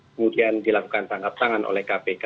kemudian dilakukan tangkap tangan oleh kpk